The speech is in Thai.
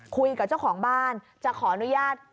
คุยกับเจ้าของบ้านจะขออนุญาต